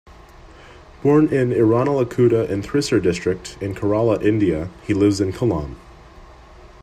Born in Irinalakuda in Thrissur district in Kerala, India, he lives in Kollam.